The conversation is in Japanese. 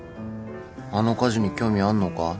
あの火事に興味あんのか？